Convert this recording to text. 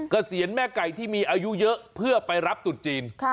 เกษียณแม่ไก่ที่มีอายุเยอะเพื่อไปรับตุดจีน